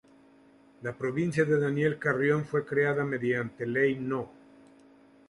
La provincia de Daniel Carrión fue creada mediante Ley No.